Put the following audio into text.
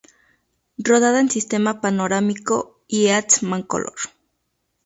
Rodada en sistema Panorámico y Eastmancolor.